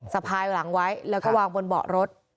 สะพายหลังไว้แล้วก็วางบนเบาะรถ